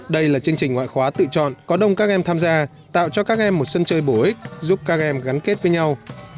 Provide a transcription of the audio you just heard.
đây là chương trình ngoại khóa tự chọn có đông các em tham gia tạo cho các em một sân chơi bổ ích giúp các em gắn kết với nhau